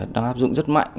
đang áp dụng rất mạnh